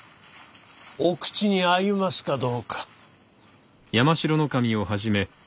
お口に合いますかどうか。